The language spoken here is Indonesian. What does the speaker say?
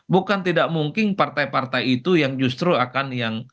bukan tidak mungkin partai partai itu yang justru akan yang